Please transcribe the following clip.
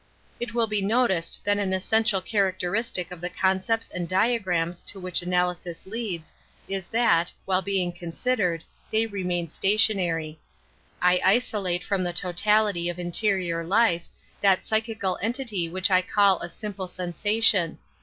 It will be noticed that an essential char acteristic of the concepts and diagrams to which analysis leads is that, while being considered, they remain stationary. I iso late from the totality of interior life that psychical entity which I call a simple sensa tion.